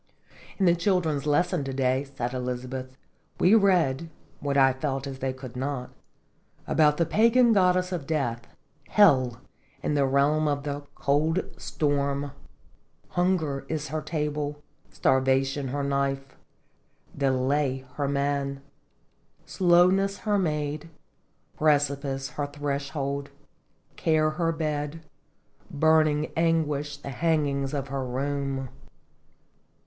"In the children's lessons, to day," said Elizabeth, " we read (what I felt as they could not) about the pagan goddess of death, ' Hel ' in the realm of the Cold Storm. Hunger is her table, Starvation her knife, Delay her man, Slowness her maid, Precipice her thresh old, Care her bed, burning Anguish the hang ings of her room."